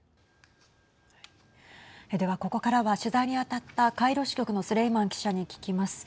では、ここからは取材に当たったカイロ支局のスレイマン記者に聞きます。